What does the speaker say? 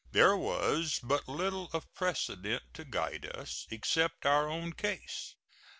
There was but little of precedent to guide us, except our own case.